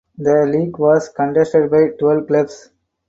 The league was contested by twelve clubs.